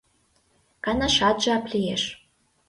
Канашат жап лиеш!..